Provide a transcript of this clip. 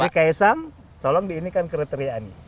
jadi ksang tolong diinikan kriteria ini